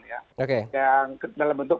yang dalam bentuk